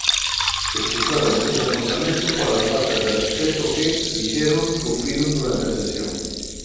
Escusaron o seu comportamento polas faltas de respecto que, dixeron, sufriron durante a sesión.